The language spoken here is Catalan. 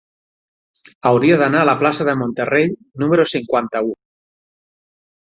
Hauria d'anar a la plaça de Monterrey número cinquanta-u.